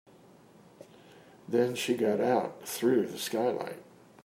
Then she got out through the skylight.